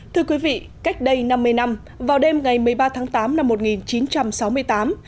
thưa quý vị cách đây năm mươi năm vào đêm ngày một mươi ba tháng tám năm một nghìn chín trăm sáu mươi tám